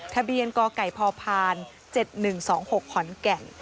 ทะเบียนกไก่พอพาน๗๑๒๖ขอนแก่น